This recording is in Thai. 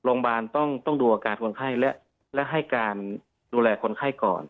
โรงพยาบาลต้องดูอาการคนไข้และให้การดูแลคนไข้ก่อน